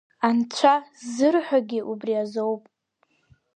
Анцәа зырҳәогьы убри азоуп.